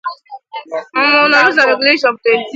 tigbuo mmadụ